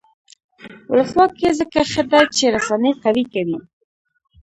ولسواکي ځکه ښه ده چې رسنۍ قوي کوي.